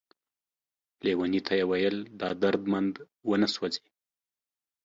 ليوني ته يې ويل دا درمند ونه سوځې ،